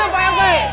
hidup pak rt